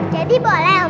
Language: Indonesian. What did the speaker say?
jadi boleh omah